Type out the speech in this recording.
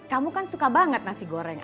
kamu kan suka banget nasi goreng